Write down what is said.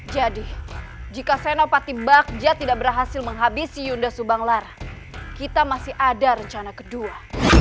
jadi jika senopati pakcah tidak berhasil menghabisi yunda subanglarang kita masih ada rencana kedua